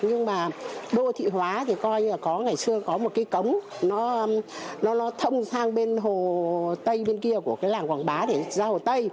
nhưng mà đô thị hóa thì coi như là có ngày xưa có một cái cống nó thông sang bên hồ tây bên kia của cái làng quảng bá để ra hồ tây